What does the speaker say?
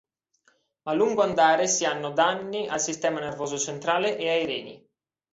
A lungo andare si hanno danni al sistema nervoso centrale e ai reni.